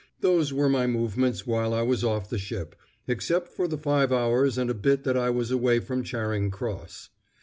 "Those were my movements while I was off the ship, except for the five hours and a bit that I was away from Charing Cross.